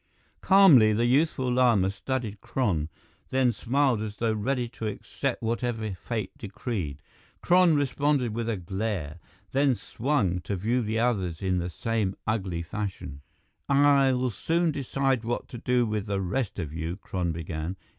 Calmly, the youthful Lama studied Kron, then smiled as though ready to accept whatever fate decreed. Kron responded with a glare, then swung to view the others in the same ugly fashion. "I'll soon decide what to do with the rest of you," Kron began.